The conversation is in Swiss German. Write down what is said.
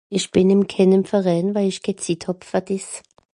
ich bin in kennem Verään weil ich kenn Zitt hàb fer diss